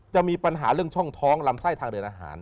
จะมีปัญหาเรื่องช่องท้องลำไส้ทางเดินอาหาร